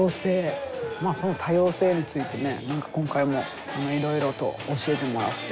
その多様性について何か今回もいろいろと教えてもらって。